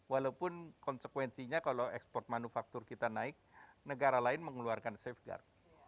walaupun konsekuensinya kalau ekspor manufaktur kita naik negara lain mengeluarkan safeguard